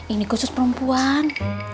ini khusus perempuan